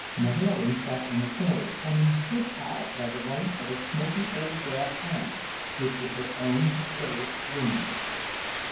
Mahailey sat in a corner, hemming dish towels by the light of a smoky old brass lamp which was her own cherished luminary.